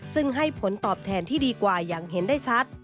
ซึ่งให้ผลตอบแทนที่ดีกว่าอย่างเห็นได้ชัด